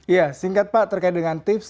ya singkat pak terkait dengan tips